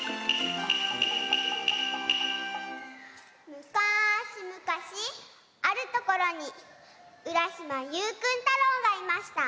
むかしむかしあるところにうらしまゆうくん太郎がいました。